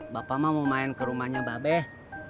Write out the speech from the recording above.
bapak mah mau main ke rumahnya babeh